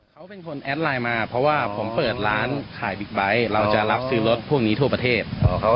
เขาเป็นคนแอดไลน์มาเพราะว่าผมเปิดร้านขายบิ๊กไบท์เราจะรับซื้อรถพวกนี้ทั่วประเทศ